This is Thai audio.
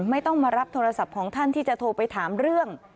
ไม่ต้องมารับโทรศัพท์ของท่านที่จะโทรไปถามเรื่อง